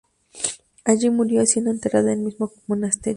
Allí murió, siendo enterrada en el mismo monasterio.